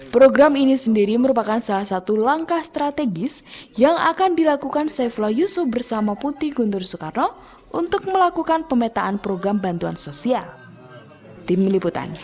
program ini sendiri merupakan salah satu langkah strategis yang akan dilakukan saifullah yusuf bersama putih guntur soekarno untuk melakukan pemetaan program bantuan sosial